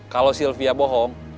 kalau sylvia bohong